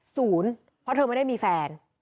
ศูนย์เพราะเธอไม่ได้มีแฟน